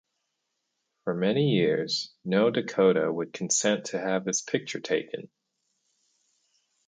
For many years no Dakota would consent to have his picture taken.